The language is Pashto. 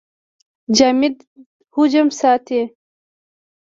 جامد حجم ساتي.